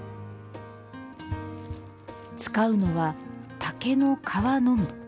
使うのは竹の皮のみ。